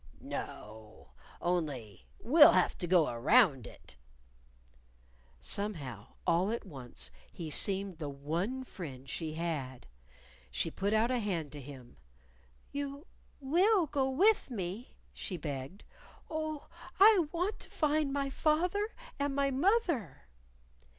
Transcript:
"No. Only we'll have to go around it." Somehow, all at once, he seemed the one friend she had. She put out a hand to him. "You will go with me?" she begged. "Oh, I want to find my fath er, and my moth er!"